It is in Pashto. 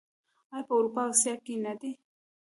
آیا په اروپا او اسیا کې نه دي؟